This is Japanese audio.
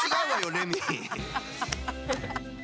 レミ。